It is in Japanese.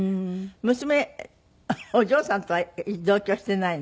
娘お嬢さんとは同居してないの？